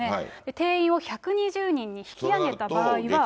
定員を１２０人に引き上げた場合は。